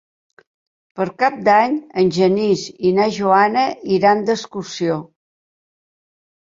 Per Cap d'Any en Genís i na Joana iran d'excursió.